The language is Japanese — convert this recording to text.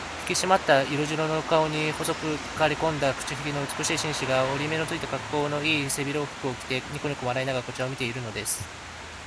ひきしまった色白の顔に、細くかりこんだ口ひげの美しい紳士が、折り目のついた、かっこうのいい背広服を着て、にこにこ笑いながらこちらを見ているのです。